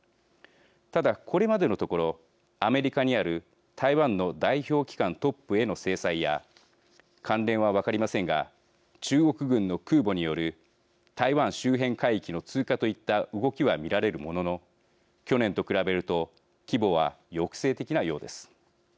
ただ、これまでのところアメリカにある台湾の代表機関トップへの制裁や関連は分かりませんが中国軍の空母による台湾周辺海域の通過といった動きは見られるものの去年と比べると規模は抑制的なようです。